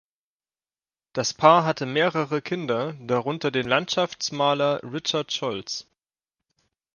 Das Paar hatte mehrere Kinder, darunter den Landschaftsmaler Richard Scholz.